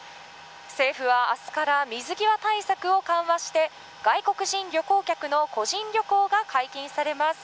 政府は、明日から水際対策を緩和して外国人旅行客の個人旅行が解禁されます。